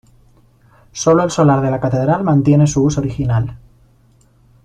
Solo el solar de la catedral mantiene su uso original.